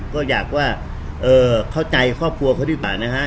ก็อยากว่าเข้าใจครอบครัวเขาดีกว่านะฮะ